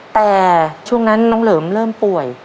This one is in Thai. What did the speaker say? แต่ช่วงนั้นน้องเหลิมเริ่มป่วย